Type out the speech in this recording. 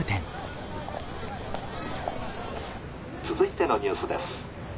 「続いてのニュースです。